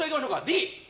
Ｄ。